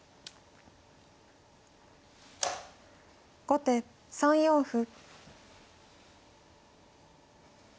後手３四歩。